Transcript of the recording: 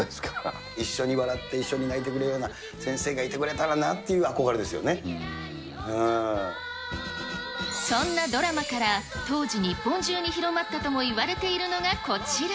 一緒に笑って一緒に泣いてくれるような先生がいてくれたらなってそんなドラマから、当時、日本中に広まったともいわれているのがこちら。